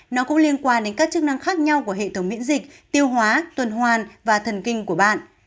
nó cũng liên quan đến các chức năng khác nhau của hệ thống miễn dịch tiêu hóa tuần hoàn và thần kinh của bạn